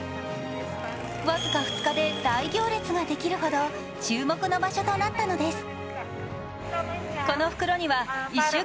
僅か２日で大行列ができるほど注目の場所となったのです。